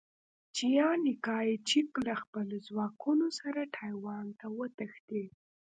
چیانکایچک له خپلو ځواکونو سره ټایوان ته وتښتېد.